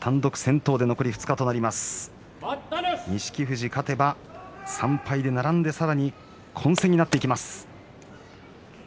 富士勝てば３敗で並んで混戦になっていきます。